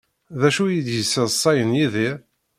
D acu i d-yesseḍṣayen Yidir?